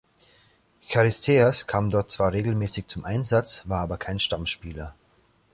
Charisteas kam dort zwar regelmäßig zum Einsatz, war aber kein Stammspieler.